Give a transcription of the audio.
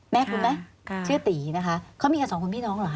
แม่คุณแม่ชื่อตีนะคะเค้ามีกันสองคนพี่น้องเหรอคะ